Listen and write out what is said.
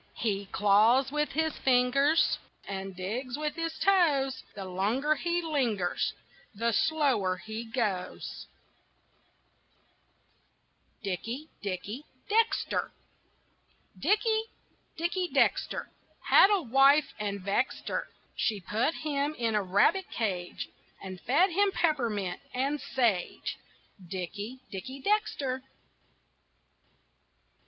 He claws with his fingers And digs with his toes. The longer he lingers The slower he goes. DICKIE, DICKIE DEXTER Dickie, Dickie Dexter Had a wife and vexed her. She put him in a rabbit cage And fed him peppermint and sage Dickie, Dickie Dexter.